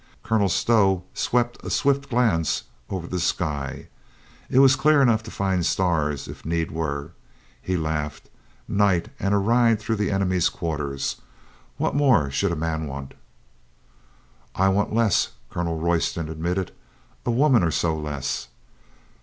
Colonel Stow swept a swift glance over the sky. It was clear enough to find the stars if need TOMPKINS SNAPS AT A SHADOW 95 were. He laughed. "Night and a ride through the enemy's quarters. What more should a man want?" "I want less," Colonel Royston admitted. "A woman or so less."